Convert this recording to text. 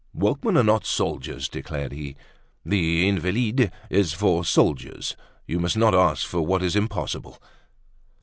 "Workmen are not soldiers," declared he. "The Invalides is for soldiers. You must not ask for what is impossible."